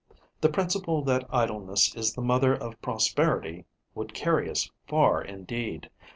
The principle that idleness is the mother of prosperity would carry us far indeed.